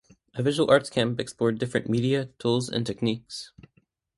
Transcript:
A Visual Arts Camp explored different media, tools, and techniques.